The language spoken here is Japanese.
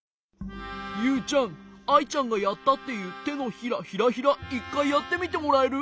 ユウちゃんアイちゃんがやったっていうてのひらヒラヒラ１かいやってみてもらえる？